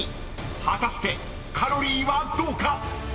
［果たしてカロリーはどうか⁉］